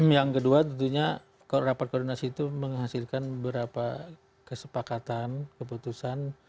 yang kedua tentunya rapat koordinasi itu menghasilkan beberapa kesepakatan keputusan